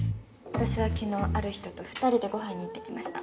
私は昨日ある人と２人でご飯に行ってきました。